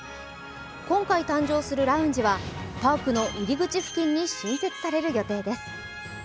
今回誕生するラウンジはパークの入口付近に新設される予定です。